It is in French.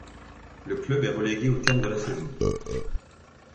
Le club est relégué au terme de la saison.